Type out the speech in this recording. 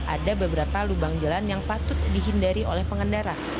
ada beberapa lubang jalan yang patut dihindari oleh pengendara